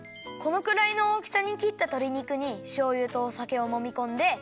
このくらいの大きさに切ったとり肉にしょうゆとおさけをもみこんで。